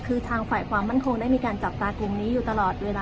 คือทางฝ่ายความมั่นคงได้มีการจับตากลุ่มนี้อยู่ตลอดเวลา